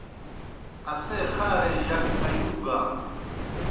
اسے خارے جک آیُوگان۔